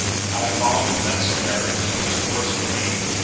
I have fallen into that snare; so much the worse for me.